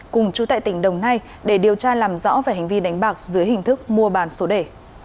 cùng chú tại tỉnh đồng nai để điều tra làm rõ về hành vi đánh bạc dưới hình thức mua bán số đề